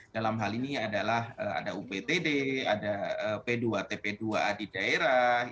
dalam hal ini adalah ada uptd ada p dua tp dua a di daerah